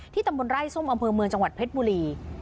ตำบลไร่ส้มอำเภอเมืองจังหวัดเพชรบุรี